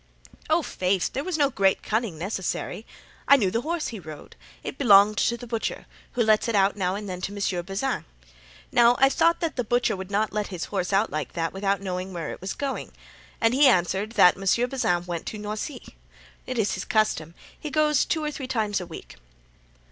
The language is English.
"Ah, faith! there was no great cunning necessary. I knew the horse he rode; it belonged to the butcher, who lets it out now and then to M. Bazin. Now I thought that the butcher would not let his horse out like that without knowing where it was going. And he answered 'that Monsieur Bazin went to Noisy.' 'Tis his custom. He goes two or three times a week."